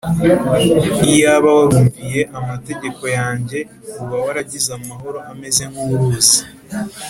Iyaba warumviye amategeko yanjye uba waragize amahoro ameze nkuruzi,